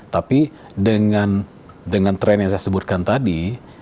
tapi dengan tren yang saya sebutkan tadi